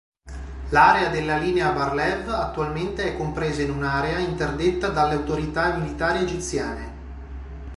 L'area della Linea Bar-Lev attualmente è compresa in un'area interdetta dalle autorità militari egiziane.